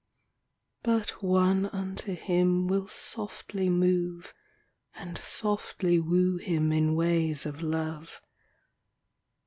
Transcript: But one unto him Will softly move And softly woo him In ways of love.